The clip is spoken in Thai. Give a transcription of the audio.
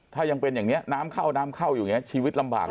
ถ้ายังเป็นอย่างนี้น้ำเข้าน้ำเข้าอยู่อย่างนี้ชีวิตลำบาก